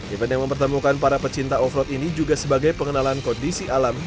event yang mempertemukan para pecinta offroad ini juga sebagai pengenalan kondisi alamnya